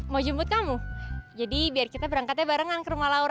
mau jemput kamu jadi biar kita berangkatnya barengan ke rumah laura